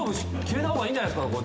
決めた方がいいんじゃないすか？